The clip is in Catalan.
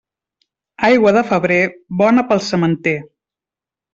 Aigua de febrer, bona pel sementer.